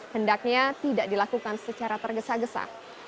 hendaknya tidak dilakukan secara tergesa gesa